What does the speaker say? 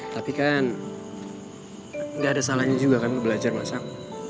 tapi kan nggak ada salahnya juga kan belajar masak